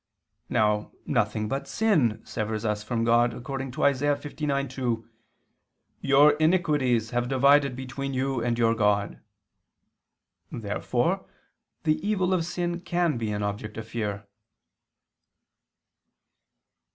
Now nothing but sin severs us from God; according to Isa. 59:2: "Your iniquities have divided between you and your God." Therefore the evil of sin can be an object of fear.